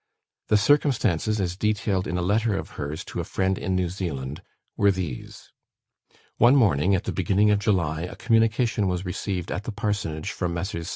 The circumstances, as detailed in a letter of hers to a friend in New Zealand, were these: One morning, at the beginning of July, a communication was received at the Parsonage from Messrs.